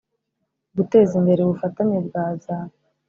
guteza imbere ubufatanye bwa za